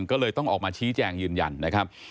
ก็เลยต้องออกมาชี้แจงยืนยันนะครับ